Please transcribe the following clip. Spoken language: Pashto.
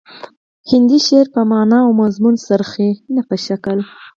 هندي شعر په معنا او مضمون څرخي نه په شکل